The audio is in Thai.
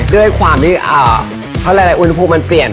ด้วยความที่เขาหลายอุณหภูมิมันเปลี่ยน